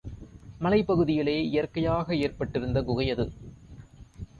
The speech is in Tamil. மலைப்பகுதியிலே இயற்கையாக ஏற்பட்டிருந்த குகை அது.